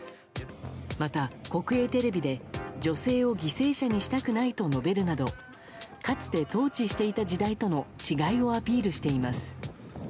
また、国営テレビで女性を犠牲者にしたくないと述べるなどかつて統治していた時代との違いをアピールしています。